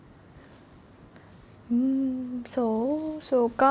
ふんそうそうか。